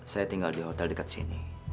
saya tinggal di hotel dekat sini